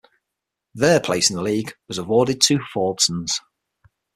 Their place in the league was awarded to Fordsons.